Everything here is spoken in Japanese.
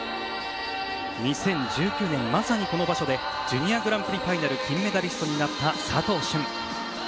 ２０１９年、まさにこの場所でジュニアグランプリファイナル金メダリストになった佐藤駿。